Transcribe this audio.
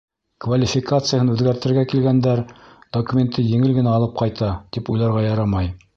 Квалификацияһын үҙгәртергә килгәндәр документты еңел генә алып ҡайта, тип уйларға ярамай.